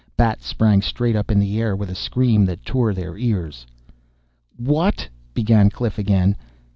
Bat sprang straight up in the air with a scream that tore their ears. "What...?" began Cliff again.